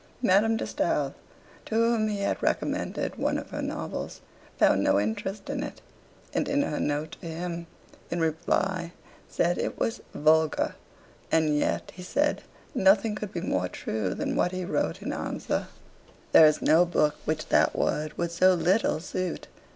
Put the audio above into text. Madame de Stael, to whom he had recommended one of her novels, found no interest in it; and in her note to him in reply said it was "vulgaire": and yet, he said, nothing could be more true than what he wrote in answer: "There is no book which that word would so little suit."